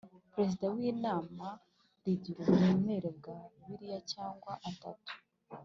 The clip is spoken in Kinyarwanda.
Perezida w’inama rigira uburemere bw’abiri cyangwa atatu